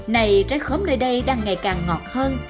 này trái khóm nơi đây đang ngày càng ngọt hơn